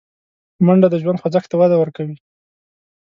منډه د ژوند خوځښت ته وده ورکوي